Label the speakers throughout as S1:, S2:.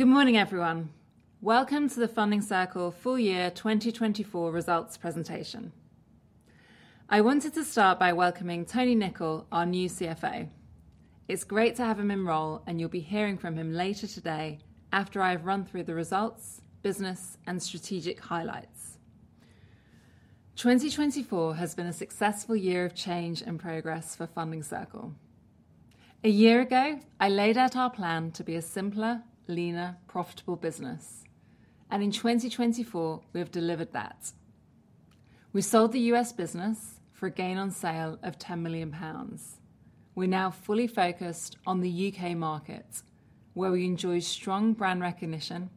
S1: Good morning, everyone. Welcome to the Funding Circle full year 2024 results presentation. I wanted to start by welcoming Tony Nicol, our new CFO. It's great to have him in role, and you'll be hearing from him later today after I've run through the results, business, and strategic highlights. 2024 has been a successful year of change and progress for Funding Circle. A year ago, I laid out our plan to be a simpler, leaner, profitable business, and in 2024, we have delivered that. We sold the U.S. business for a gain on sale of 10 million pounds. We're now fully focused on the U.K. market, where we enjoy strong brand recognition,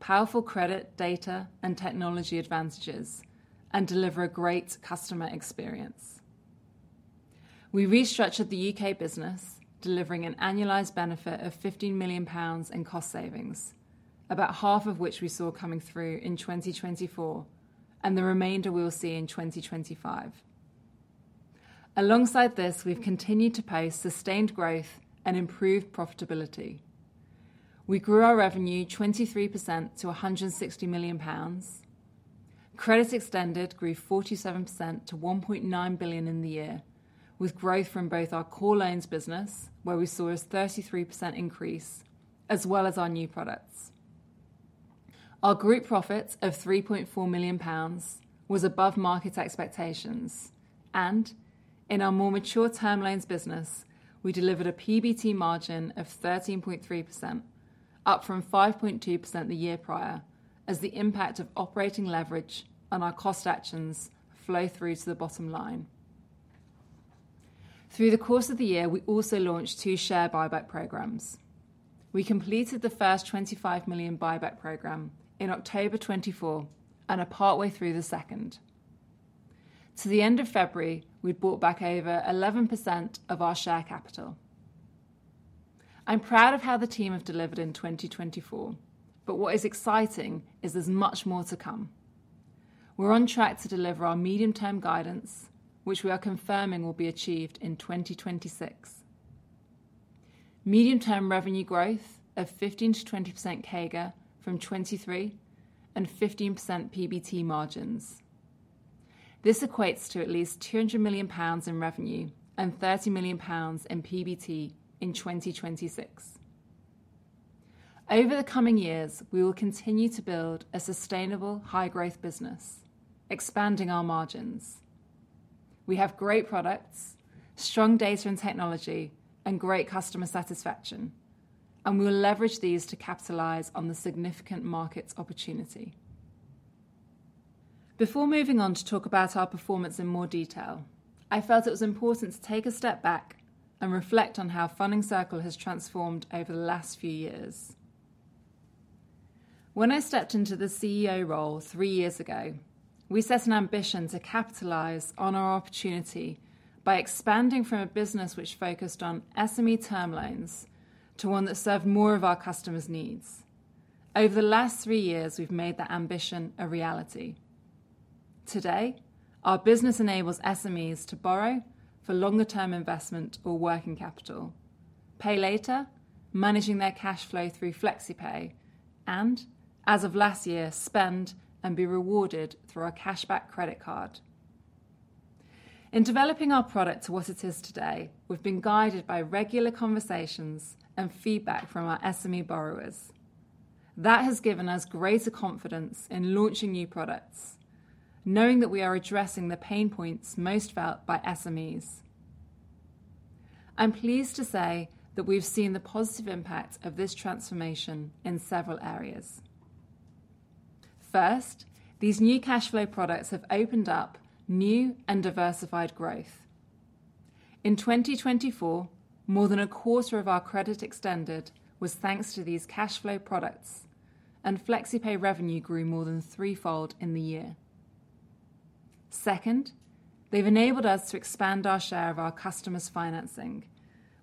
S1: powerful credit data and technology advantages, and deliver a great customer experience. We restructured the U.K. business, delivering an annualized benefit of 15 million pounds in cost savings, about half of which we saw coming through in 2024, and the remainder we'll see in 2025. Alongside this, we've continued to post sustained growth and improved profitability. We grew our revenue 23% to 160 million pounds. Credit extended grew 47% to 1.9 billion in the year, with growth from both our core loans business, where we saw a 33% increase, as well as our new products. Our group profits of 3.4 million pounds was above market expectations, and in our more mature term loans business, we delivered a PBT margin of 13.3%, up from 5.2% the year prior, as the impact of operating leverage on our cost actions flowed through to the bottom line. Through the course of the year, we also launched two share buyback programs. We completed the first 25 million buyback program in October 2024 and are partway through the second. To the end of February, we'd bought back over 11% of our share capital. I'm proud of how the team have delivered in 2024, but what is exciting is there's much more to come. We're on track to deliver our medium-term guidance, which we are confirming will be achieved in 2026. Medium-term revenue growth of 15%-20% CAGR from 2023 and 15% PBT margins. This equates to at least 200 million pounds in revenue and 30 million pounds in PBT in 2026. Over the coming years, we will continue to build a sustainable, high-growth business, expanding our margins. We have great products, strong data and technology, and great customer satisfaction, and we'll leverage these to capitalize on the significant markets opportunity. Before moving on to talk about our performance in more detail, I felt it was important to take a step back and reflect on how Funding Circle has transformed over the last few years. When I stepped into the CEO role three years ago, we set an ambition to capitalize on our opportunity by expanding from a business which focused on SME term loans to one that served more of our customers' needs. Over the last three years, we've made that ambition a reality. Today, our business enables SMEs to borrow for longer-term investment or working capital, pay later, managing their cash flow through FlexiPay, and, as of last year, spend and be rewarded through our Cashback Credit Card. In developing our product to what it is today, we've been guided by regular conversations and feedback from our SME borrowers. That has given us greater confidence in launching new products, knowing that we are addressing the pain points most felt by SMEs. I'm pleased to say that we've seen the positive impact of this transformation in several areas. First, these new cash flow products have opened up new and diversified growth. In 2024, more than a quarter of our credit extended was thanks to these cash flow products, and FlexiPay revenue grew more than threefold in the year. Second, they've enabled us to expand our share of our customers' financing,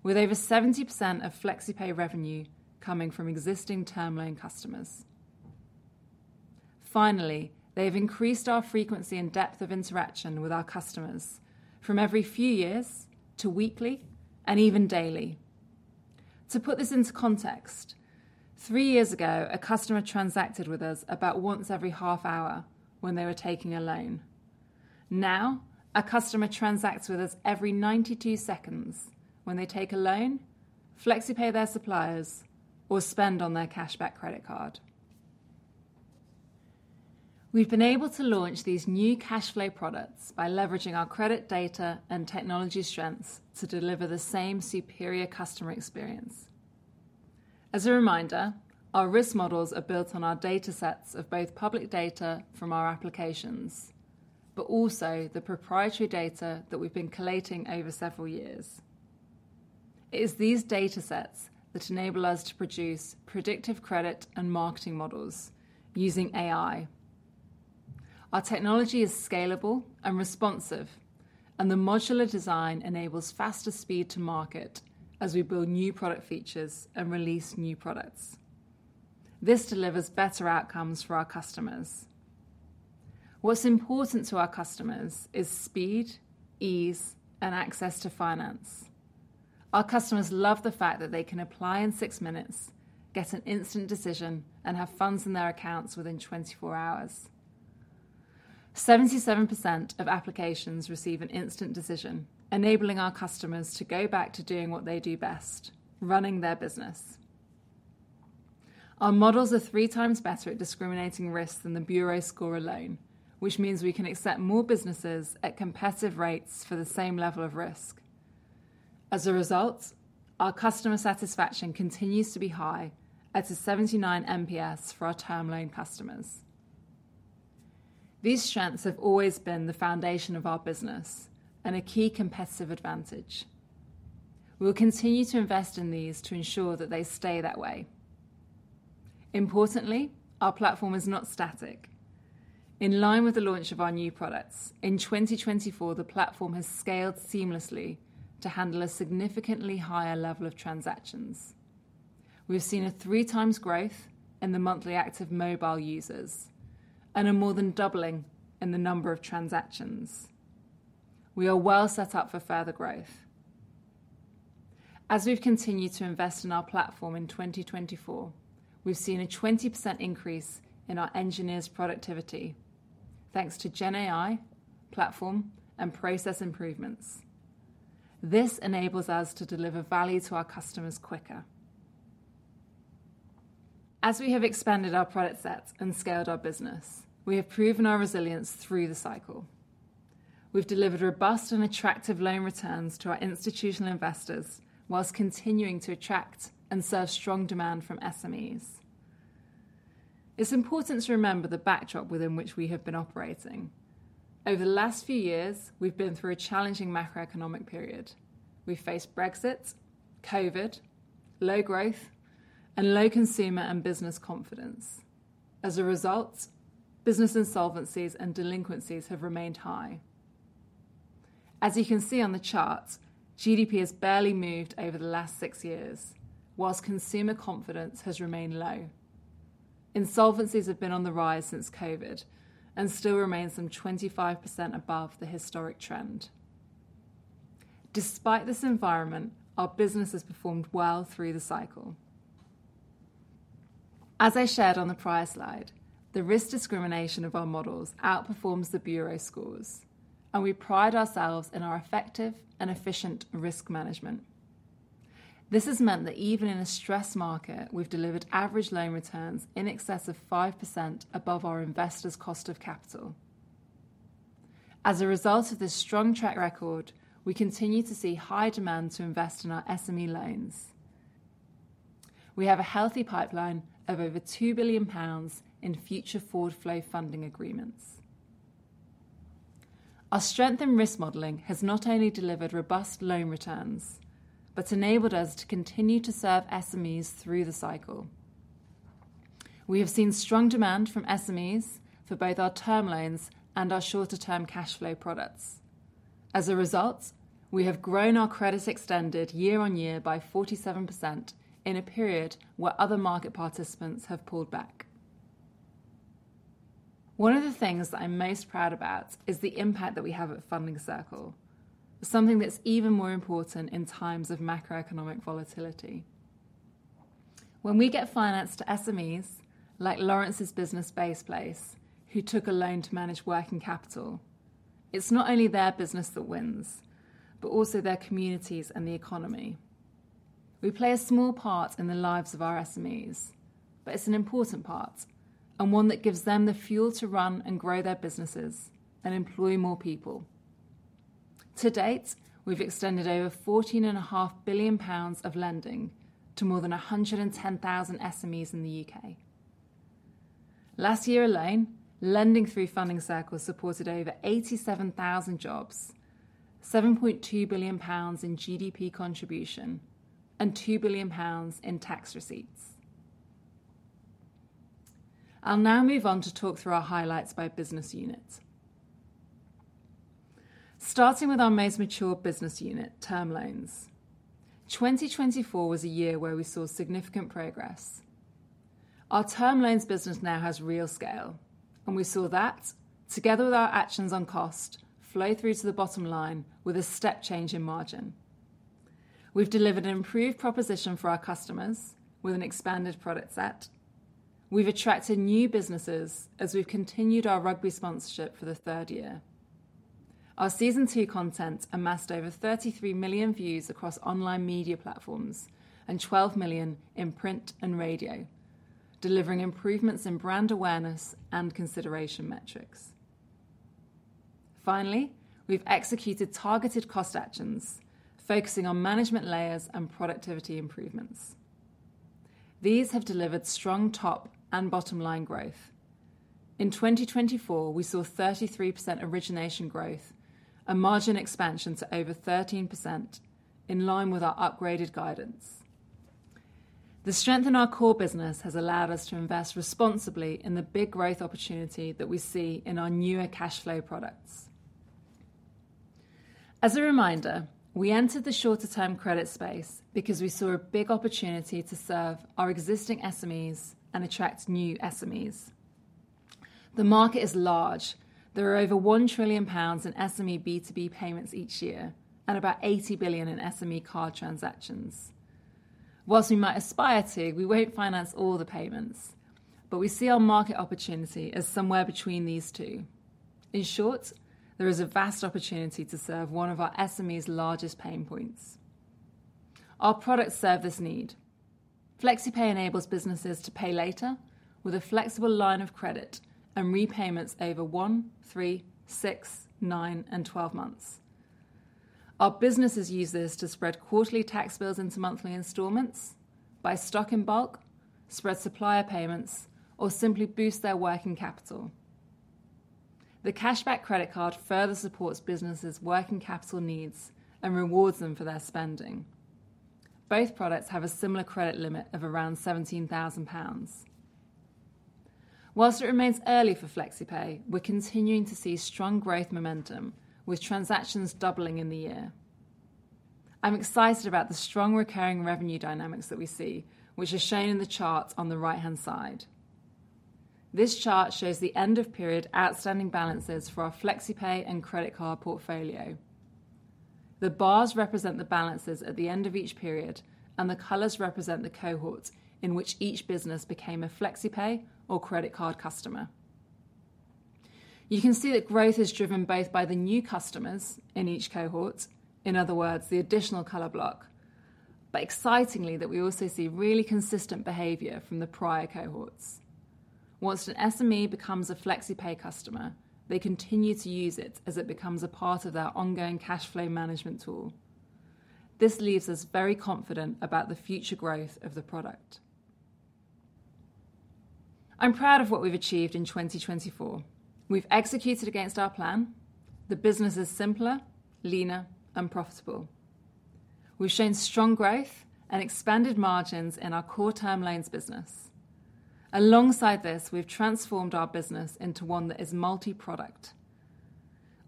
S1: with over 70% of FlexiPay revenue coming from existing term loan customers. Finally, they have increased our frequency and depth of interaction with our customers, from every few years to weekly and even daily. To put this into context, three years ago, a customer transacted with us about once every half hour when they were taking a loan. Now, a customer transacts with us every 92 seconds when they take a loan, FlexiPay their suppliers, or spend on their cashback credit card. We've been able to launch these new cash flow products by leveraging our credit data and technology strengths to deliver the same superior customer experience. As a reminder, our risk models are built on our data sets of both public data from our applications, but also the proprietary data that we've been collating over several years. It is these data sets that enable us to produce predictive credit and marketing models using AI. Our technology is scalable and responsive, and the modular design enables faster speed to market as we build new product features and release new products. This delivers better outcomes for our customers. What's important to our customers is speed, ease, and access to finance. Our customers love the fact that they can apply in six minutes, get an instant decision, and have funds in their accounts within 24 hours. 77% of applications receive an instant decision, enabling our customers to go back to doing what they do best: running their business. Our models are three times better at discriminating risk than the Bureau score alone, which means we can accept more businesses at competitive rates for the same level of risk. As a result, our customer satisfaction continues to be high, at 79 NPS for our term loan customers. These strengths have always been the foundation of our business and a key competitive advantage. We'll continue to invest in these to ensure that they stay that way. Importantly, our platform is not static. In line with the launch of our new products, in 2024, the platform has scaled seamlessly to handle a significantly higher level of transactions. We've seen a three-times growth in the monthly active mobile users and a more than doubling in the number of transactions. We are well set up for further growth. As we've continued to invest in our platform in 2024, we've seen a 20% increase in our engineers' productivity, thanks to GenAI platform and process improvements. This enables us to deliver value to our customers quicker. As we have expanded our product sets and scaled our business, we have proven our resilience through the cycle. We've delivered robust and attractive loan returns to our institutional investors whilst continuing to attract and serve strong demand from SMEs. It's important to remember the backdrop within which we have been operating. Over the last few years, we've been through a challenging macroeconomic period. We've faced Brexit, COVID, low growth, and low consumer and business confidence. As a result, business insolvencies and delinquencies have remained high. As you can see on the chart, GDP has barely moved over the last six years, whilst consumer confidence has remained low. Insolvencies have been on the rise since COVID and still remain some 25% above the historic trend. Despite this environment, our business has performed well through the cycle. As I shared on the prior slide, the risk discrimination of our models outperforms the Bureau scores, and we pride ourselves in our effective and efficient risk management. This has meant that even in a stress market, we've delivered average loan returns in excess of 5% above our investors' cost of capital. As a result of this strong track record, we continue to see high demand to invest in our SME loans. We have a healthy pipeline of over 2 billion pounds in future forward flow funding agreements. Our strength in risk modeling has not only delivered robust loan returns, but enabled us to continue to serve SMEs through the cycle. We have seen strong demand from SMEs for both our term loans and our shorter-term cash flow products. As a result, we have grown our credit extended year on year by 47% in a period where other market participants have pulled back. One of the things I'm most proud about is the impact that we have at Funding Circle, something that's even more important in times of macroeconomic volatility. When we get financed to SMEs like Laurence's Business Base Place, who took a loan to manage working capital, it's not only their business that wins, but also their communities and the economy. We play a small part in the lives of our SMEs, but it's an important part and one that gives them the fuel to run and grow their businesses and employ more people. To date, we've extended over 14.5 billion pounds of lending to more than 110,000 SMEs in the U.K. Last year alone, lending through Funding Circle supported over 87,000 jobs, 7.2 billion pounds in GDP contribution, and 2 billion pounds in tax receipts. I'll now move on to talk through our highlights by business unit. Starting with our most mature business unit, term loans, 2024 was a year where we saw significant progress. Our term loans business now has real scale, and we saw that, together with our actions on cost, flow through to the bottom line with a step change in margin. We've delivered an improved proposition for our customers with an expanded product set. We've attracted new businesses as we've continued our rugby sponsorship for the third year. Our season two content amassed over 33 million views across online media platforms and 12 million in print and radio, delivering improvements in brand awareness and consideration metrics. Finally, we've executed targeted cost actions focusing on management layers and productivity improvements. These have delivered strong top and bottom line growth. In 2024, we saw 33% origination growth, a margin expansion to over 13% in line with our upgraded guidance. The strength in our core business has allowed us to invest responsibly in the big growth opportunity that we see in our newer cash flow products. As a reminder, we entered the shorter-term credit space because we saw a big opportunity to serve our existing SMEs and attract new SMEs. The market is large. There are over 1 trillion pounds in SME B2B payments each year and about 80 billion in SME card transactions. Whilst we might aspire to, we won't finance all the payments, but we see our market opportunity as somewhere between these two. In short, there is a vast opportunity to serve one of our SMEs' largest pain points. Our product serves this need. FlexiPay enables businesses to pay later with a flexible line of credit and repayments over one, three, six, nine, and 12 months. Our businesses use this to spread quarterly tax bills into monthly installments, buy stock in bulk, spread supplier payments, or simply boost their working capital. The Cashback Credit Card further supports businesses' working capital needs and rewards them for their spending. Both products have a similar credit limit of around 17,000 pounds. Whilst it remains early for FlexiPay, we're continuing to see strong growth momentum, with transactions doubling in the year. I'm excited about the strong recurring revenue dynamics that we see, which are shown in the chart on the right-hand side. This chart shows the end-of-period outstanding balances for our FlexiPay and credit card portfolio. The bars represent the balances at the end of each period, and the colors represent the cohorts in which each business became a FlexiPay or credit card customer. You can see that growth is driven both by the new customers in each cohort, in other words, the additional color block, but excitingly, we also see really consistent behavior from the prior cohorts. Whilst an SME becomes a FlexiPay customer, they continue to use it as it becomes a part of their ongoing cash flow management tool. This leaves us very confident about the future growth of the product. I'm proud of what we've achieved in 2024. We've executed against our plan. The business is simpler, leaner, and profitable. We've shown strong growth and expanded margins in our core term loans business. Alongside this, we've transformed our business into one that is multi-product.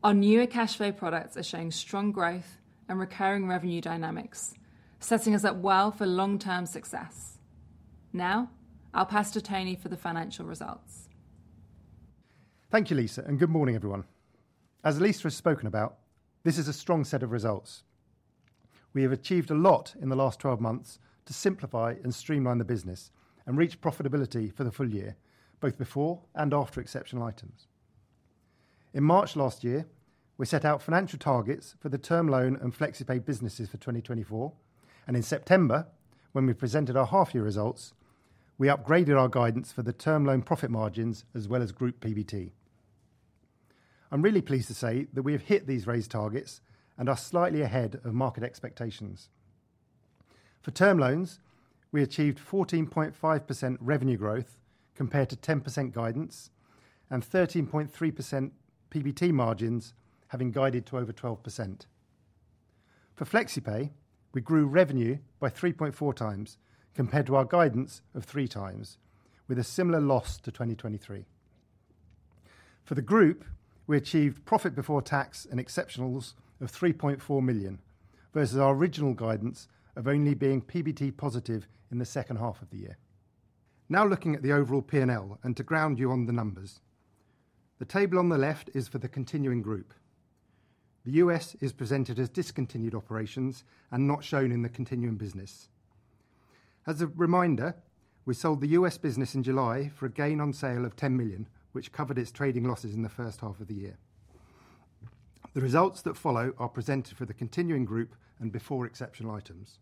S1: Our newer cash flow products are showing strong growth and recurring revenue dynamics, setting us up well for long-term success. Now, I'll pass to Tony for the financial results.
S2: Thank you, Lisa, and good morning, everyone. As Lisa has spoken about, this is a strong set of results. We have achieved a lot in the last 12 months to simplify and streamline the business and reach profitability for the full year, both before and after exceptional items. In March last year, we set out financial targets for the term loan and FlexiPay businesses for 2024, and in September, when we presented our half-year results, we upgraded our guidance for the term loan profit margins as well as group PBT. I'm really pleased to say that we have hit these raised targets and are slightly ahead of market expectations. For term loans, we achieved 14.5% revenue growth compared to 10% guidance and 13.3% PBT margins having guided to over 12%. For FlexiPay, we grew revenue by 3.4 times compared to our guidance of three times, with a similar loss to 2023. For the group, we achieved profit before tax and exceptionals of 3.4 million versus our original guidance of only being PBT positive in the second half of the year. Now looking at the overall P&L and to ground you on the numbers, the table on the left is for the continuing group. The U.S. is presented as discontinued operations and not shown in the continuing business. As a reminder, we sold the U.S. business in July for a gain on sale of 10 million, which covered its trading losses in the first half of the year. The results that follow are presented for the continuing group and before exceptional items.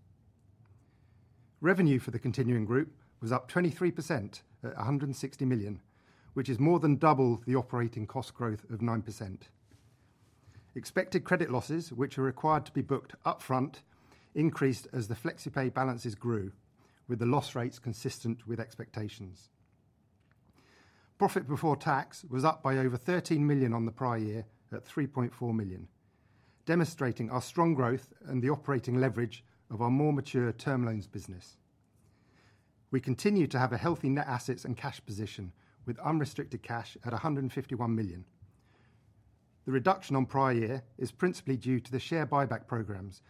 S2: Revenue for the continuing group was up 23% at 160 million, which is more than double the operating cost growth of 9%. Expected credit losses, which are required to be booked upfront, increased as the FlexiPay balances grew, with the loss rates consistent with expectations. Profit before tax was up by over 13 million on the prior year at 3.4 million, demonstrating our strong growth and the operating leverage of our more mature term loans business. We continue to have a healthy net assets and cash position with unrestricted cash at 151 million. The reduction on prior year is principally due to the share buyback programmes,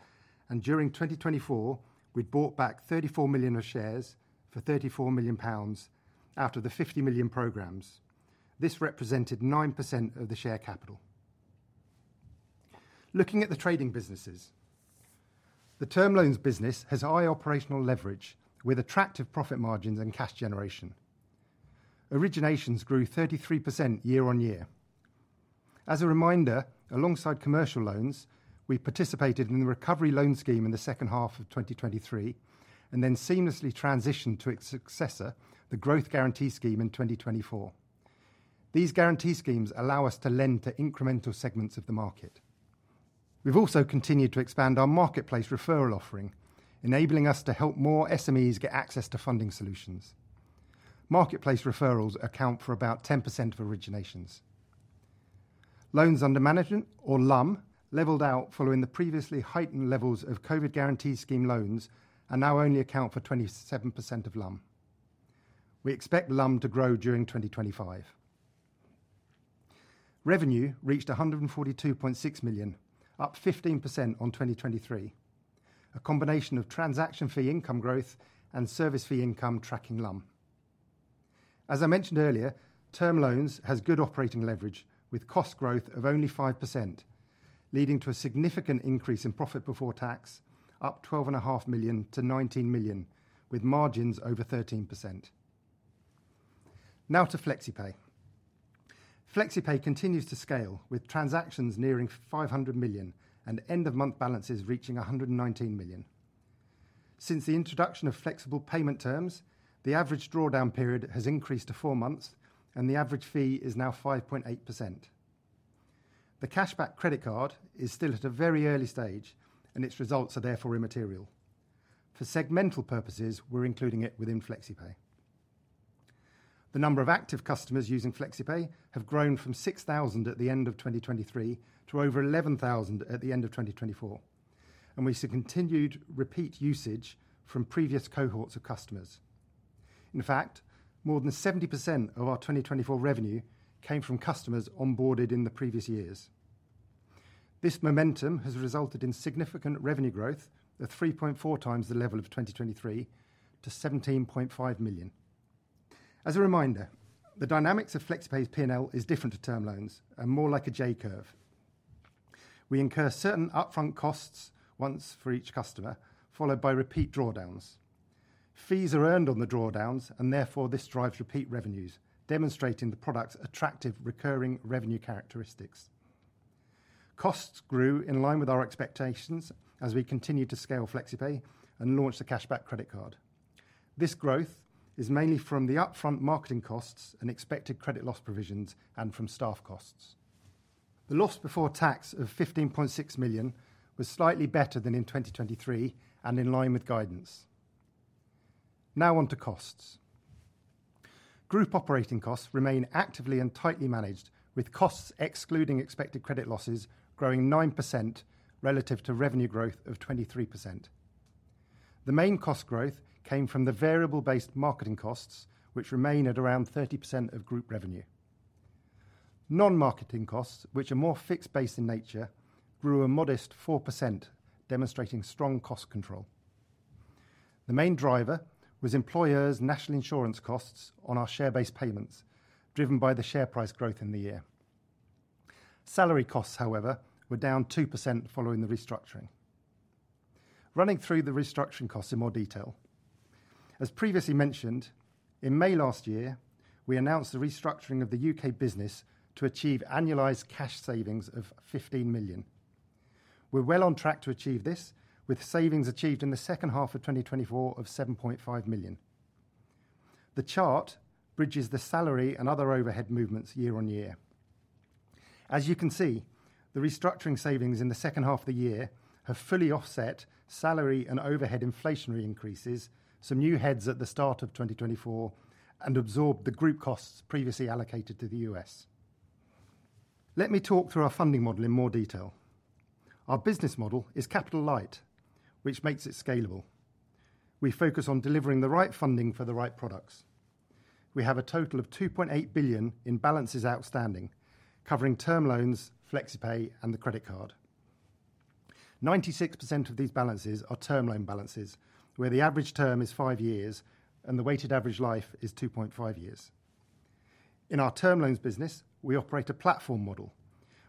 S2: and during 2024, we bought back 34 million of shares for 34 million pounds after the 50 million programmes. This represented 9% of the share capital. Looking at the trading businesses, the term loans business has high operational leverage with attractive profit margins and cash generation. Originations grew 33% year-on-year. As a reminder, alongside commercial loans, we participated in the Recovery Loan Scheme in the second half of 2023 and then seamlessly transitioned to its successor, the Growth Guarantee Scheme in 2024. These guarantee schemes allow us to lend to incremental segments of the market. We have also continued to expand our marketplace referral offering, enabling us to help more SMEs get access to funding solutions. Marketplace referrals account for about 10% of originations. Loans under management, or LUM, leveled out following the previously heightened levels of COVID guarantee scheme loans and now only account for 27% of LUM. We expect LUM to grow during 2025. Revenue reached 142.6 million, up 15% on 2023, a combination of transaction fee income growth and service fee income tracking LUM. As I mentioned earlier, term loans has good operating leverage with cost growth of only 5%, leading to a significant increase in profit before tax, up 12.5 million to 19 million, with margins over 13%. Now to FlexiPay. FlexiPay continues to scale, with transactions nearing 500 million and end-of-month balances reaching 119 million. Since the introduction of flexible payment terms, the average drawdown period has increased to four months, and the average fee is now 5.8%. The Cashback Credit Card is still at a very early stage, and its results are therefore immaterial. For segmental purposes, we're including it within FlexiPay. The number of active customers using FlexiPay have grown from 6,000 at the end of 2023 to over 11,000 at the end of 2024, and we see continued repeat usage from previous cohorts of customers. In fact, more than 70% of our 2024 revenue came from customers onboarded in the previous years. This momentum has resulted in significant revenue growth, at 3.4x the level of 2023, to 17.5 million. As a reminder, the dynamics of FlexiPay's P&L is different to term loans and more like a J-curve. We incur certain upfront costs once for each customer, followed by repeat drawdowns. Fees are earned on the drawdowns, and therefore this drives repeat revenues, demonstrating the product's attractive recurring revenue characteristics. Costs grew in line with our expectations as we continued to scale FlexiPay and launch the Cashback Credit Card. This growth is mainly from the upfront marketing costs and expected credit loss provisions and from staff costs. The loss before tax of 15.6 million was slightly better than in 2023 and in line with guidance. Now on to costs. Group operating costs remain actively and tightly managed, with costs excluding expected credit losses growing 9% relative to revenue growth of 23%. The main cost growth came from the variable-based marketing costs, which remain at around 30% of group revenue. Non-marketing costs, which are more fixed-based in nature, grew a modest 4%, demonstrating strong cost control. The main driver was employers' national insurance costs on our share-based payments, driven by the share price growth in the year. Salary costs, however, were down 2% following the restructuring. Running through the restructuring costs in more detail. As previously mentioned, in May last year, we announced the restructuring of the U.K. business to achieve annualized cash savings of 15 million. We're well on track to achieve this, with savings achieved in the second half of 2024 of 7.5 million. The chart bridges the salary and other overhead movements year on year. As you can see, the restructuring savings in the second half of the year have fully offset salary and overhead inflationary increases, some new heads at the start of 2024, and absorbed the group costs previously allocated to the U.S. Let me talk through our funding model in more detail. Our business model is capital light, which makes it scalable. We focus on delivering the right funding for the right products. We have a total of 2.8 billion in balances outstanding, covering term loans, FlexiPay, and the credit card. 96% of these balances are term loan balances, where the average term is five years and the weighted average life is 2.5 years. In our term loans business, we operate a platform model.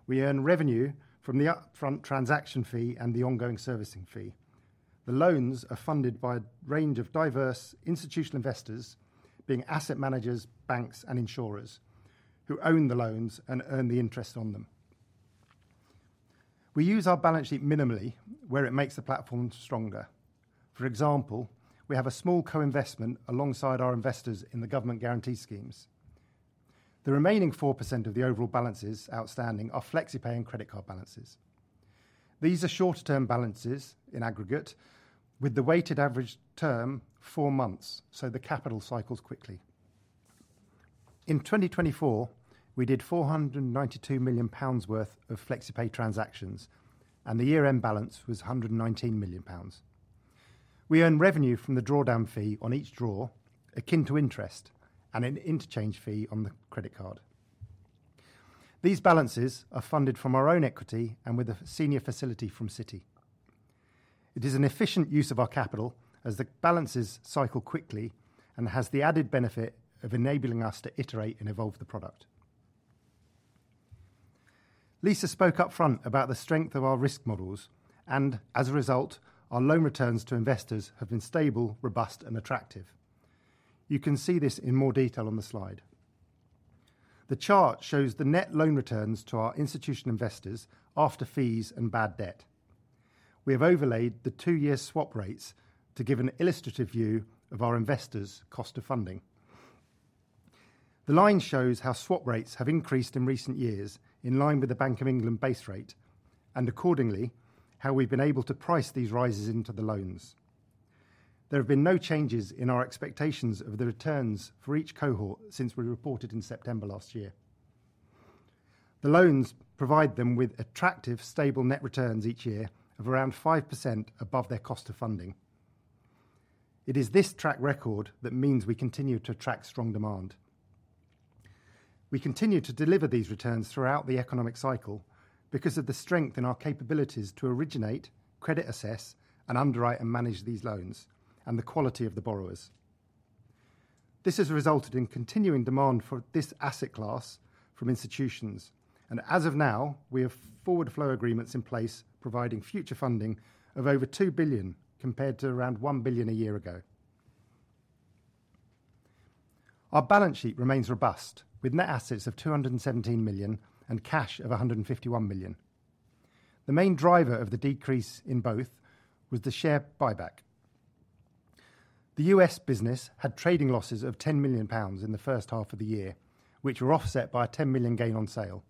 S2: We earn revenue from the upfront transaction fee and the ongoing servicing fee. The loans are funded by a range of diverse institutional investors, being asset managers, banks, and insurers, who own the loans and earn the interest on them. We use our balance sheet minimally, where it makes the platform stronger. For example, we have a small co-investment alongside our investors in the government guarantee schemes. The remaining 4% of the overall balances outstanding are FlexiPay and credit card balances. These are shorter-term balances in aggregate, with the weighted average term four months, so the capital cycles quickly. In 2024, we did 492 million pounds worth of FlexiPay transactions, and the year-end balance was 119 million pounds. We earn revenue from the drawdown fee on each draw, akin to interest, and an interchange fee on the credit card. These balances are funded from our own equity and with a senior facility from Citi. It is an efficient use of our capital as the balances cycle quickly and has the added benefit of enabling us to iterate and evolve the product. Lisa spoke upfront about the strength of our risk models, and as a result, our loan returns to investors have been stable, robust, and attractive. You can see this in more detail on the slide. The chart shows the net loan returns to our institutional investors after fees and bad debt. We have overlaid the two-year swap rates to give an illustrative view of our investors' cost of funding. The line shows how swap rates have increased in recent years in line with the Bank of England base rate, and accordingly, how we've been able to price these rises into the loans. There have been no changes in our expectations of the returns for each cohort since we reported in September last year. The loans provide them with attractive, stable net returns each year of around 5% above their cost of funding. It is this track record that means we continue to attract strong demand. We continue to deliver these returns throughout the economic cycle because of the strength in our capabilities to originate, credit assess, and underwrite and manage these loans, and the quality of the borrowers. This has resulted in continuing demand for this asset class from institutions, and as of now, we have forward flow agreements in place providing future funding of over 2 billion compared to around 1 billion a year ago. Our balance sheet remains robust, with net assets of 217 million and cash of 151 million. The main driver of the decrease in both was the share buyback. The U.S. business had trading losses of 10 million pounds in the first half of the year, which were offset by a 10 million gain on sale.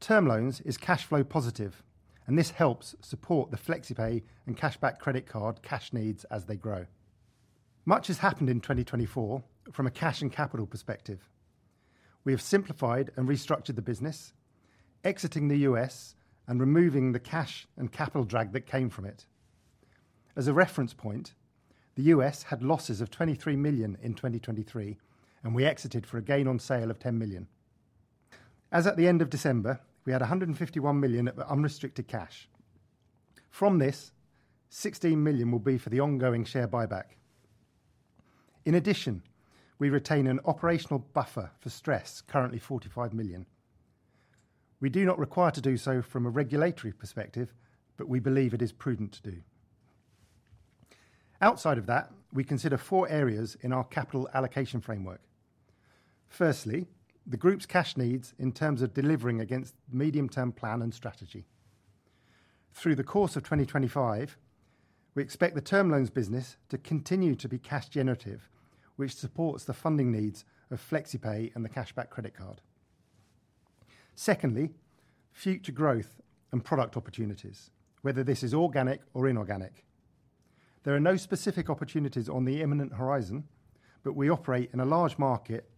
S2: Term loans is cash flow positive, and this helps support the FlexiPay and Cashback Credit Card cash needs as they grow. Much has happened in 2024 from a cash and capital perspective. We have simplified and restructured the business, exiting the U.S. and removing the cash and capital drag that came from it. As a reference point, the U.S. had losses of 23 million in 2023, and we exited for a gain on sale of 10 million. As at the end of December, we had 151 million of unrestricted cash. From this, 16 million will be for the ongoing share buyback. In addition, we retain an operational buffer for stress, currently 45 million. We do not require to do so from a regulatory perspective, but we believe it is prudent to do. Outside of that, we consider four areas in our capital allocation framework. Firstly, the group's cash needs in terms of delivering against medium-term plan and strategy. Through the course of 2025, we expect the term loans business to continue to be cash generative, which supports the funding needs of FlexiPay and the Cashback Credit Card. Secondly, future growth and product opportunities, whether this is organic or inorganic. There are no specific opportunities on the imminent horizon, but we operate in a large market,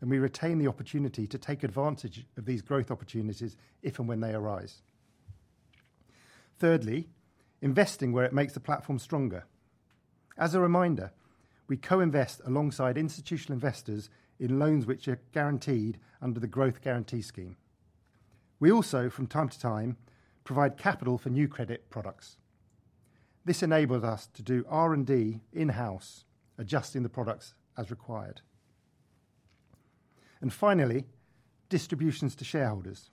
S2: and we retain the opportunity to take advantage of these growth opportunities if and when they arise. Thirdly, investing where it makes the platform stronger. As a reminder, we co-invest alongside institutional investors in loans which are guaranteed under the Growth Guarantee Scheme. We also, from time to time, provide capital for new credit products. This enables us to do R&D in-house, adjusting the products as required. Finally, distributions to shareholders.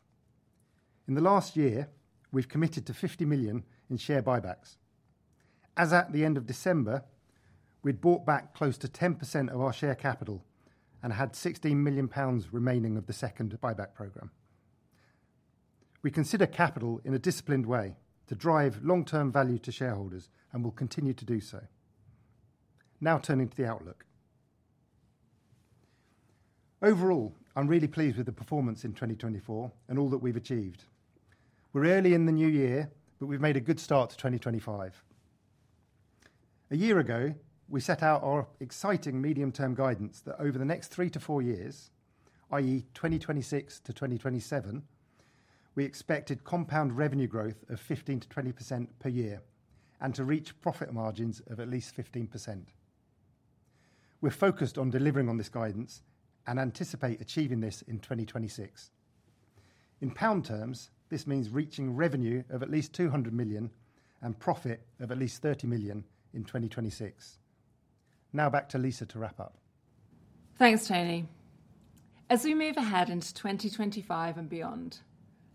S2: In the last year, we have committed to 50 million in share buybacks. As at the end of December, we had bought back close to 10% of our share capital and had 16 million pounds remaining of the second buyback programme. We consider capital in a disciplined way to drive long-term value to shareholders and will continue to do so. Now turning to the outlook. Overall, I am really pleased with the performance in 2024 and all that we have achieved. We are early in the new year, but we have made a good start to 2025. A year ago, we set out our exciting medium-term guidance that over the next three to four years, i.e., 2026 to 2027, we expected compound revenue growth of 15%-20% per year and to reach profit margins of at least 15%. We're focused on delivering on this guidance and anticipate achieving this in 2026. In pound terms, this means reaching revenue of at least 200 million and profit of at least 30 million in 2026. Now back to Lisa to wrap up.
S1: Thanks, Tony. As we move ahead into 2025 and beyond,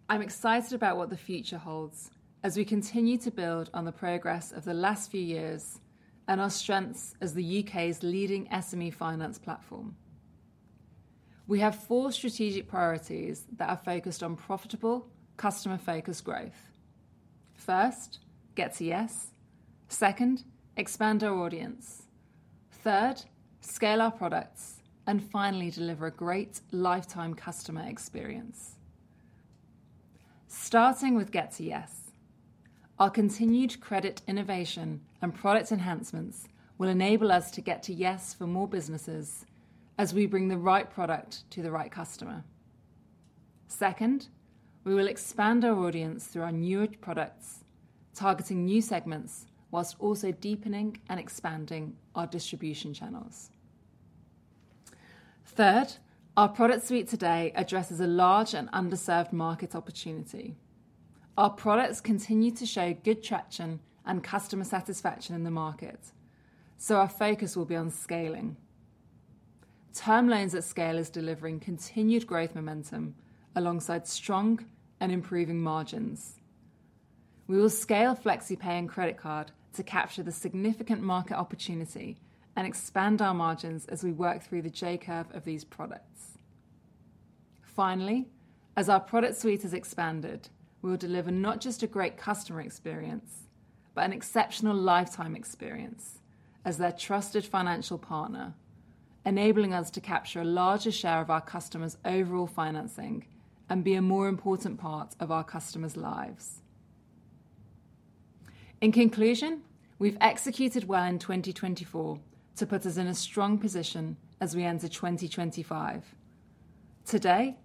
S1: I'm excited about what the future holds as we continue to build on the progress of the last few years and our strengths as the U.K.'s leading SME finance platform. We have four strategic priorities that are focused on profitable, customer-focused growth. First, get to yes. Second, expand our audience. Third, scale our products, and finally, deliver a great lifetime customer experience. Starting with get to yes, our continued credit innovation and product enhancements will enable us to get to yes for more businesses as we bring the right product to the right customer. Second, we will expand our audience through our newer products, targeting new segments whilst also deepening and expanding our distribution channels. Third, our product suite today addresses a large and underserved market opportunity. Our products continue to show good traction and customer satisfaction in the market, so our focus will be on scaling. Term Loans at scale is delivering continued growth momentum alongside strong and improving margins. We will scale FlexiPay and credit card to capture the significant market opportunity and expand our margins as we work through the J-curve of these products. Finally, as our product suite has expanded, we will deliver not just a great customer experience, but an exceptional lifetime experience as their trusted financial partner, enabling us to capture a larger share of our customers' overall financing and be a more important part of our customers' lives. In conclusion, we have executed well in 2024 to put us in a strong position as we enter 2025. Today,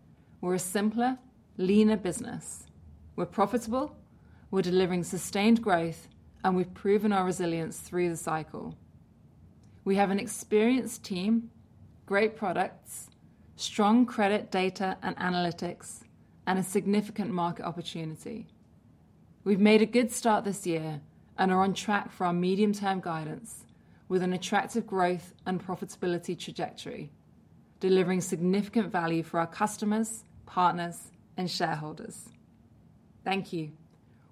S1: we are a simpler, leaner business. We are profitable, we are delivering sustained growth, and we have proven our resilience through the cycle. We have an experienced team, great products, strong credit data and analytics, and a significant market opportunity. We have made a good start this year and are on track for our medium-term guidance with an attractive growth and profitability trajectory, delivering significant value for our customers, partners, and shareholders. Thank you.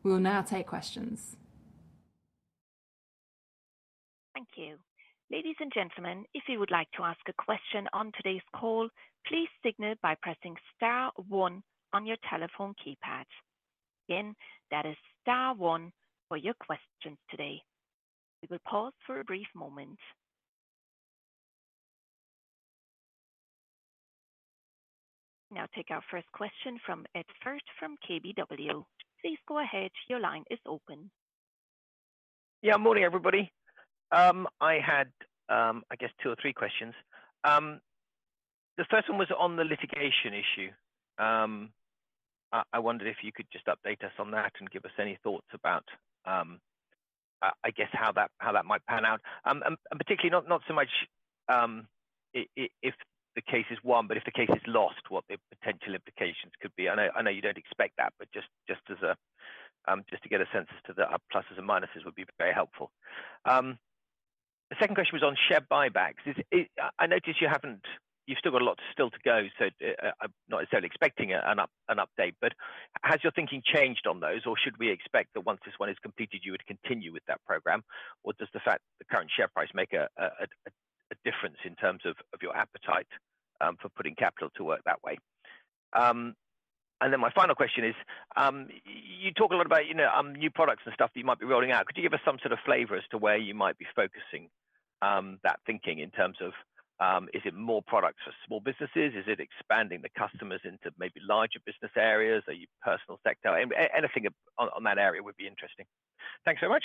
S1: We will now take questions.
S3: Thank you. Ladies and gentlemen, if you would like to ask a question on today's call, please signal by pressing star one on your telephone keypad. Again, that is star one for your questions today. We will pause for a brief moment. Now take our first question from Ed Firth from KBW. Please go ahead. Your line is open.
S4: Yeah, morning, everybody. I had, I guess, two or three questions. The first one was on the litigation issue. I wondered if you could just update us on that and give us any thoughts about, I guess, how that might pan out. Particularly, not so much if the case is won, but if the case is lost, what the potential implications could be. I know you do not expect that, but just to get a sense as to the pluses and minuses would be very helpful. The second question was on share buybacks. I noticed you've still got a lot still to go, so I'm not necessarily expecting an update, but has your thinking changed on those, or should we expect that once this one is completed, you would continue with that program, or does the current share price make a difference in terms of your appetite for putting capital to work that way? My final question is, you talk a lot about new products and stuff that you might be rolling out. Could you give us some sort of flavor as to where you might be focusing that thinking in terms of, is it more products for small businesses? Is it expanding the customers into maybe larger business areas? Are you personal sector? Anything on that area would be interesting. Thanks very much.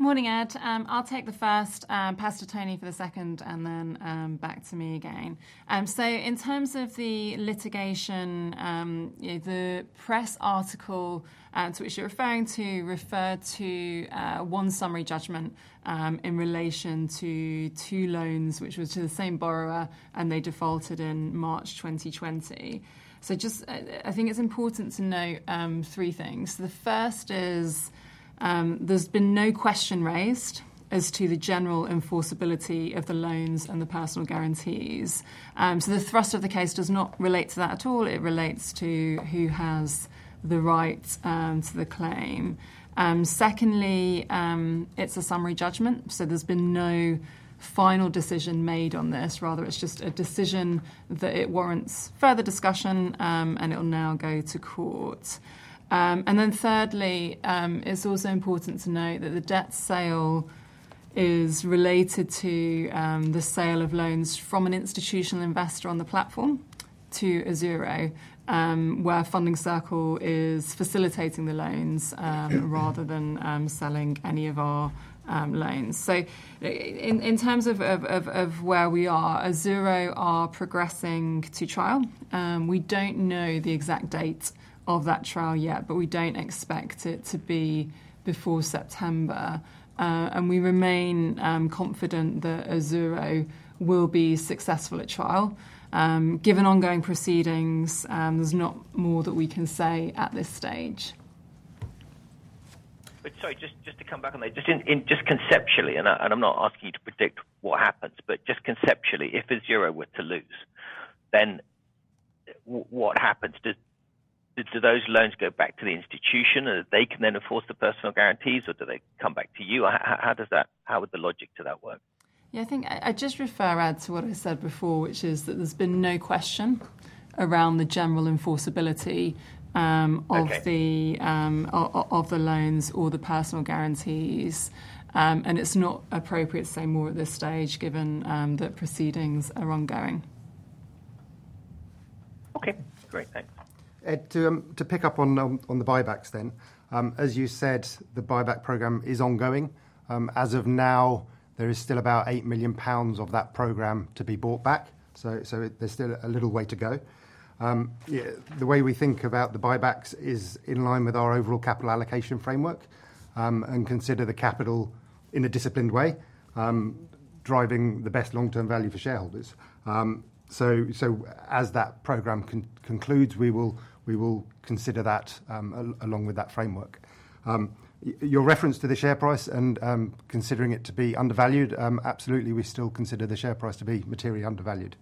S1: Morning, Ed. I'll take the first, pass to Tony for the second, and then back to me again. In terms of the litigation, the press article to which you're referring to referred to one summary judgment in relation to two loans, which was to the same borrower, and they defaulted in March 2020. I think it's important to note three things. The first is there's been no question raised as to the general enforceability of the loans and the personal guarantees. The thrust of the case does not relate to that at all. It relates to who has the right to the claim. Secondly, it's a summary judgment, so there's been no final decision made on this. Rather, it's just a decision that it warrants further discussion, and it'll now go to court. Thirdly, it's also important to note that the debt sale is related to the sale of loans from an institutional investor on the platform to Azzurro, where Funding Circle is facilitating the loans rather than selling any of our loans. In terms of where we are, Azzurro are progressing to trial. We do not know the exact date of that trial yet, but we do not expect it to be before September. We remain confident that Azzurro will be successful at trial. Given ongoing proceedings, there is not more that we can say at this stage.
S4: Sorry, just to come back on that, just conceptually, and I am not asking you to predict what happens, but just conceptually, if Azzurro were to lose, then what happens? Do those loans go back to the institution and they can then enforce the personal guarantees, or do they come back to you? How would the logic to that work?
S1: Yeah, I think I just refer to what I said before, which is that there has been no question around the general enforceability of the loans or the personal guarantees. It is not appropriate to say more at this stage given that proceedings are ongoing.
S4: Okay. Great. Thanks.
S2: To pick up on the buybacks then, as you said, the buyback program is ongoing. As of now, there is still about 8 million pounds of that program to be bought back. There is still a little way to go. The way we think about the buybacks is in line with our overall capital allocation framework and consider the capital in a disciplined way, driving the best long-term value for shareholders. As that program concludes, we will consider that along with that framework. Your reference to the share price and considering it to be undervalued, absolutely, we still consider the share price to be materially undervalued.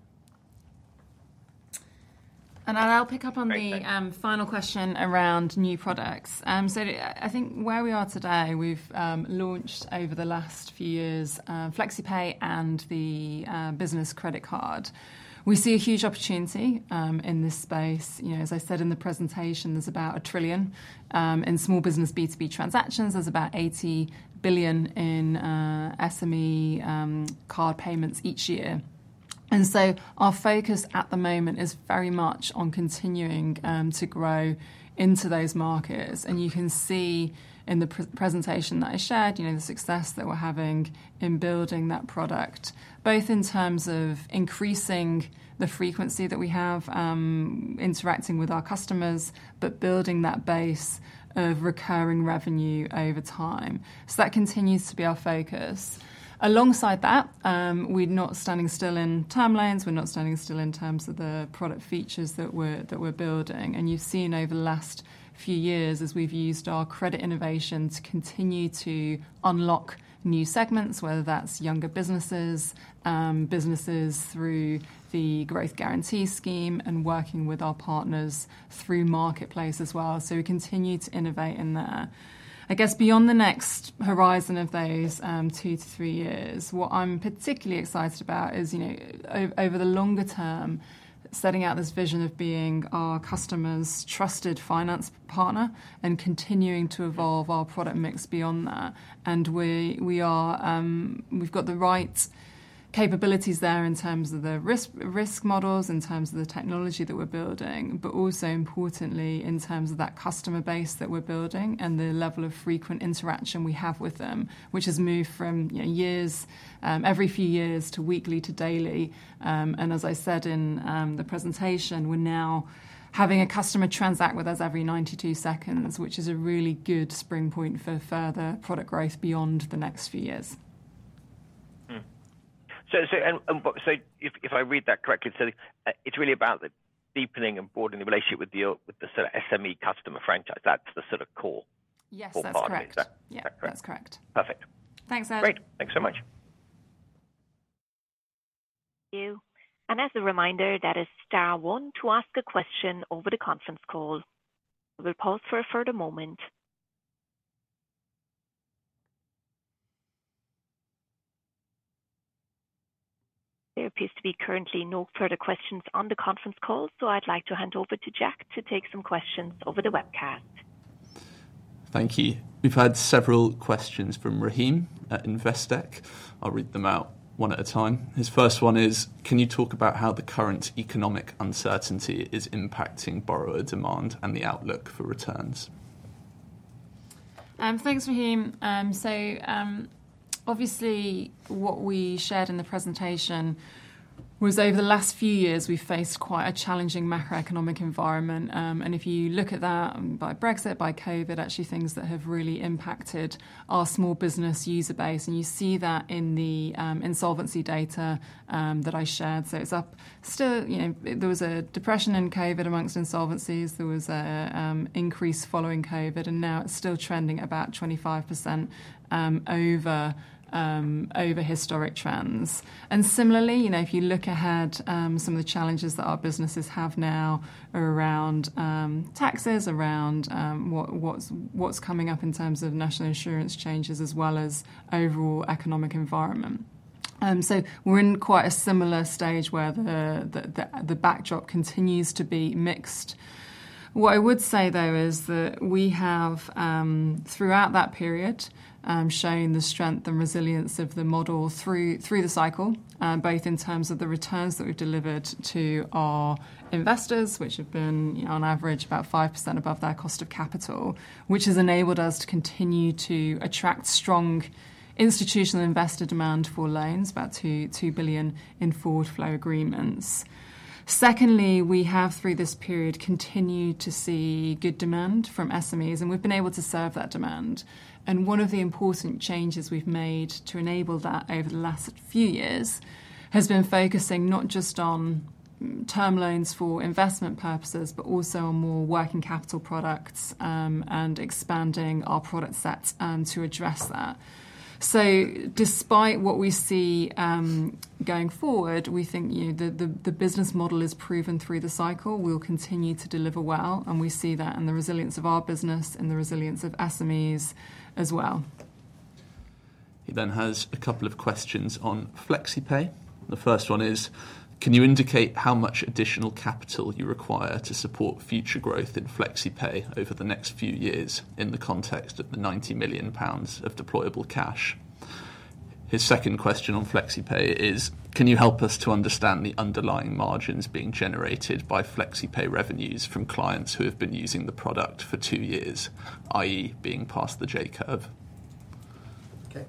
S1: I'll pick up on the final question around new products. I think where we are today, we've launched over the last few years FlexiPay and the business credit card. We see a huge opportunity in this space. As I said in the presentation, there's about 1 trillion in small business B2B transactions. There's about 80 billion in SME card payments each year. Our focus at the moment is very much on continuing to grow into those markets. You can see in the presentation that I shared the success that we're having in building that product, both in terms of increasing the frequency that we have interacting with our customers, but building that base of recurring revenue over time. That continues to be our focus. Alongside that, we're not standing still in term loans. We're not standing still in terms of the product features that we're building. You've seen over the last few years as we've used our credit innovation to continue to unlock new segments, whether that's younger businesses, businesses through the Growth Guarantee Scheme, and working with our partners through marketplace as well. We continue to innovate in there. I guess beyond the next horizon of those two to three years, what I'm particularly excited about is over the longer term, setting out this vision of being our customer's trusted finance partner and continuing to evolve our product mix beyond that. We have the right capabilities there in terms of the risk models, in terms of the technology that we are building, but also importantly, in terms of that customer base that we are building and the level of frequent interaction we have with them, which has moved from every few years to weekly to daily. As I said in the presentation, we are now having a customer transact with us every 92 seconds, which is a really good spring point for further product growth beyond the next few years.
S4: If I read that correctly, it is really about deepening and broadening the relationship with the sort of SME customer franchise. That is the core part of it.
S1: Yes, that is correct. That is correct.
S4: Perfect.
S1: Thanks, Ed.
S4: Great. Thanks so much.
S3: Thank you. As a reminder, that is star one to ask a question over the conference call. We'll pause for a further moment. There appears to be currently no further questions on the conference call, so I'd like to hand over to Jack to take some questions over the webcast.
S5: Thank you. We've had several questions from Rahim at Investec. I'll read them out one at a time. His first one is, can you talk about how the current economic uncertainty is impacting borrower demand and the outlook for returns?
S1: Thanks, Rahim. Obviously, what we shared in the presentation was over the last few years, we've faced quite a challenging macroeconomic environment. If you look at that by Brexit, by COVID, actually things that have really impacted our small business user base. You see that in the insolvency data that I shared. It's up still. There was a depression in COVID amongst insolvencies. There was an increase following COVID, and now it is still trending about 25% over historic trends. Similarly, if you look ahead, some of the challenges that our businesses have now are around taxes, around what is coming up in terms of national insurance changes, as well as the overall economic environment. We are in quite a similar stage where the backdrop continues to be mixed. What I would say, though, is that we have, throughout that period, shown the strength and resilience of the model through the cycle, both in terms of the returns that we have delivered to our investors, which have been on average about 5% above their cost of capital, which has enabled us to continue to attract strong institutional investor demand for loans, about 2 billion in forward flow agreements. Secondly, we have, through this period, continued to see good demand from SMEs, and we have been able to serve that demand. One of the important changes we have made to enable that over the last few years has been focusing not just on term loans for investment purposes, but also on more working capital products and expanding our product sets to address that. Despite what we see going forward, we think the business model is proven through the cycle. We will continue to deliver well, and we see that in the resilience of our business and the resilience of SMEs as well.
S5: He then has a couple of questions on FlexiPay. The first one is, can you indicate how much additional capital you require to support future growth in FlexiPay over the next few years in the context of the 90 million pounds of deployable cash? His second question on FlexiPay is, can you help us to understand the underlying margins being generated by FlexiPay revenues from clients who have been using the product for two years, i.e., being past the J-curve?
S2: Okay.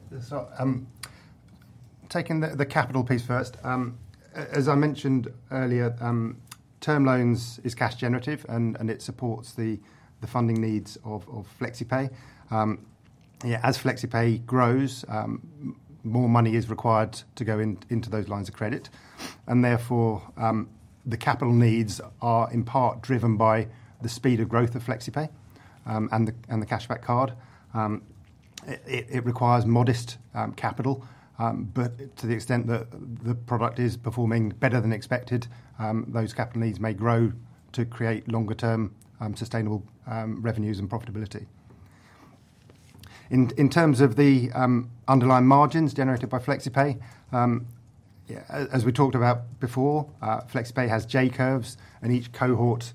S2: Taking the capital piece first, as I mentioned earlier, term loans is cash generative, and it supports the funding needs of FlexiPay. As FlexiPay grows, more money is required to go into those lines of credit. Therefore, the capital needs are in part driven by the speed of growth of FlexiPay and the Cashback card. It requires modest capital, but to the extent that the product is performing better than expected, those capital needs may grow to create longer-term sustainable revenues and profitability. In terms of the underlying margins generated by FlexiPay, as we talked about before, FlexiPay has J-curves, and each cohort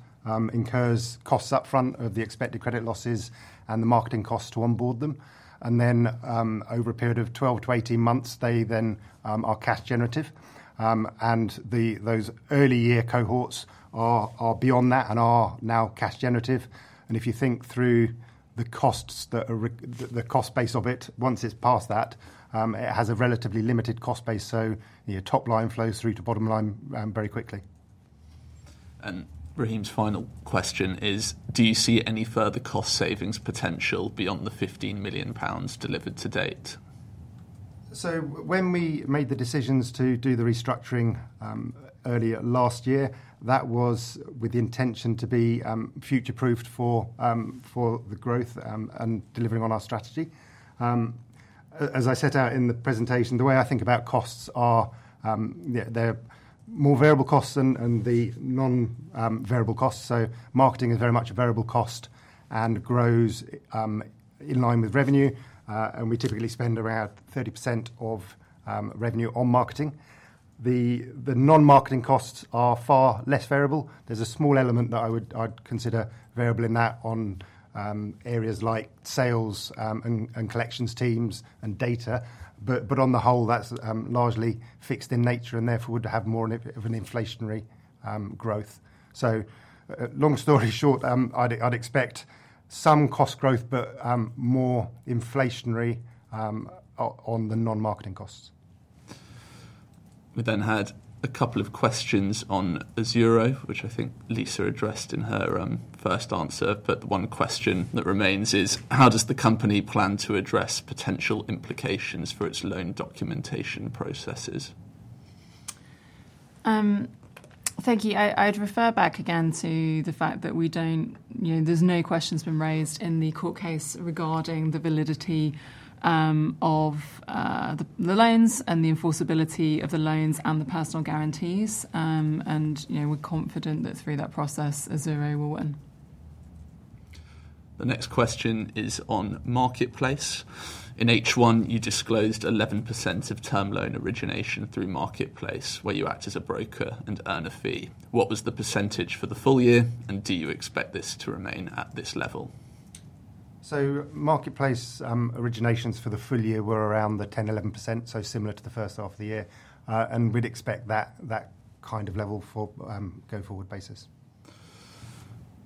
S2: incurs costs upfront of the expected credit losses and the marketing costs to onboard them. Over a period of 12-18 months, they then are cash generative. Those early year cohorts are beyond that and are now cash generative. If you think through the costs that are the cost base of it, once it is past that, it has a relatively limited cost base. Your top line flows through to bottom line very quickly.
S5: Rahim's final question is, do you see any further cost savings potential beyond the 15 million pounds delivered to date?
S2: When we made the decisions to do the restructuring earlier last year, that was with the intention to be future-proofed for the growth and delivering on our strategy. As I set out in the presentation, the way I think about costs are there are more variable costs and the non-variable costs. Marketing is very much a variable cost and grows in line with revenue. We typically spend around 30% of revenue on marketing. The non-marketing costs are far less variable. There's a small element that I would consider variable in that on areas like sales and collections teams and data. On the whole, that's largely fixed in nature and therefore would have more of an inflationary growth. Long story short, I'd expect some cost growth, but more inflationary on the non-marketing costs.
S5: We then had a couple of questions on Azzurro, which I think Lisa addressed in her first answer. One question that remains is, how does the company plan to address potential implications for its loan documentation processes?
S1: Thank you. I'd refer back again to the fact that there's no questions been raised in the court case regarding the validity of the loans and the enforceability of the loans and the personal guarantees. We're confident that through that process, Azzurro will win.
S5: The next question is on Marketplace. In H1, you disclosed 11% of term loan origination through Marketplace where you act as a broker and earn a fee. What was the percentage for the full year? Do you expect this to remain at this level?
S2: Marketplace originations for the full year were around the 10%-11%, so similar to the first half of the year. We'd expect that kind of level for go forward basis.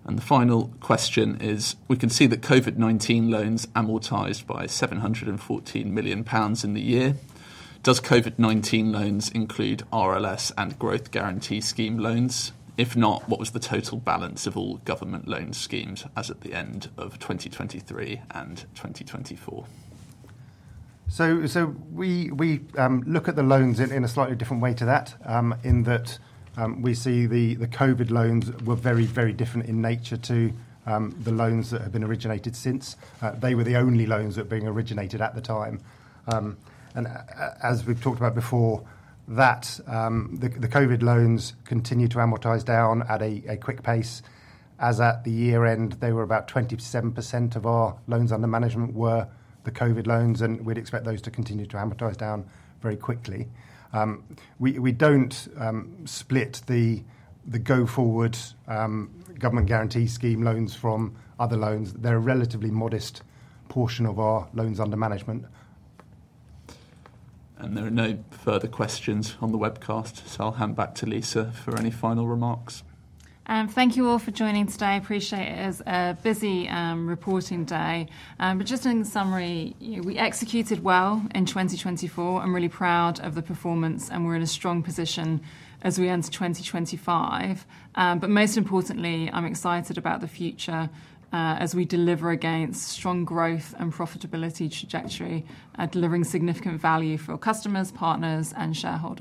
S5: The final question is, we can see that COVID-19 loans amortized by GBP 714 million in the year. Does COVID-19 loans include RLS and Growth Guarantee Scheme loans? If not, what was the total balance of all government loan schemes as at the end of 2023 and 2024?
S2: We look at the loans in a slightly different way to that in that we see the COVID loans were very, very different in nature to the loans that have been originated since. They were the only loans that were being originated at the time. As we've talked about before, the COVID loans continue to amortize down at a quick pace. As at the year end, about 27% of our loans under management were the COVID loans, and we'd expect those to continue to amortize down very quickly. We do not split the go forward government guarantee scheme loans from other loans. They are a relatively modest portion of our loans under management.
S5: There are no further questions on the webcast, so I'll hand back to Lisa for any final remarks.
S1: Thank you all for joining today. I appreciate it as a busy reporting day. Just in summary, we executed well in 2024. I'm really proud of the performance, and we're in a strong position as we enter 2025. Most importantly, I'm excited about the future as we deliver against strong growth and profitability trajectory, delivering significant value for our customers, partners, and shareholders.